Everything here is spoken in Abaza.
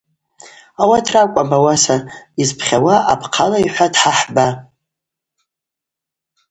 Ауат ракӏвпӏ ауаса йызпхьуз апхъала – йхӏватӏ хӏахӏба.